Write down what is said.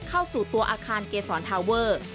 เข้าสู่ตัวอาคารเกษรทาเวอร์